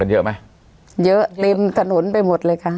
เยอะเต็มถนนไปหมดเลยค่ะ